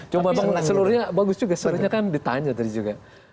cuma seluruhnya bagus juga sebenarnya kan ditanya tadi juga